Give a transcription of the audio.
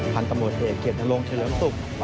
พันธุ์ตำรวจเอกเกียรตินรงเฉลิมศุกร์